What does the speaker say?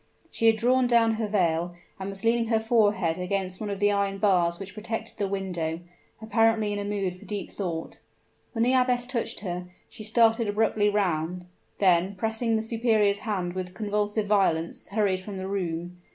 She had drawn down her veil, and was leaning her forehead against one of the iron bars which protected the window apparently in a mood of deep thought. When the abbess touched her, she started abruptly round then, pressing the superior's hand with convulsive violence, hurried from the room.